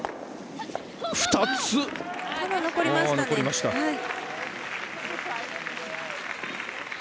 残りましたね。